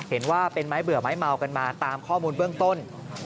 เห็นว่าเป็นไม้เบื่อไม้เมากันมาตามข้อมูลเบื้องต้น